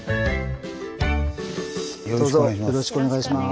よろしくお願いします。